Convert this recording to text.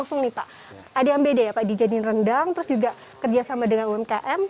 langsung nih pak ada yang beda ya pak dijadiin rendang terus juga kerjasama dengan umkm